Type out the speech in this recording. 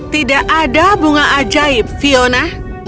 tidak ada bunga ajaib fiona